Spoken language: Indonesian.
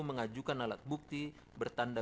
mengajukan alat bukti bertanda